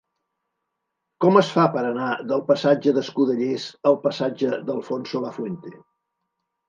Com es fa per anar del passatge d'Escudellers al passatge d'Alfonso Lafuente?